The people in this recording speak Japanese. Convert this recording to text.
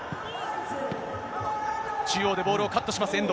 中央でボールをカットします、遠藤。